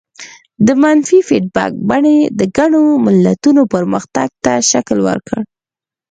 د منفي فیډبک بڼې د ګڼو ملتونو پرمختګ ته شکل ورکړ.